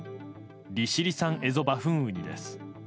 利尻産エゾバフンウニです。